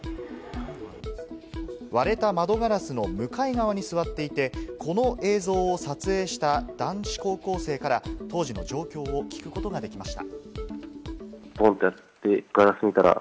割れた窓ガラスの向かい側に座っていて、この映像を撮影した男子高校生から当時の状況を聞くことができました。